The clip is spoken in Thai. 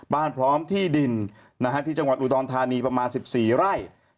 พร้อมที่ดินที่จังหวัดอุดรธานีประมาณ๑๔ไร่